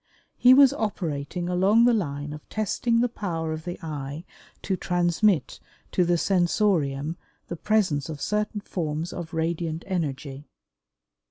He was operating along the line of testing the power of the eye to transmit to the sensorium the presence of certain forms of radiant energy.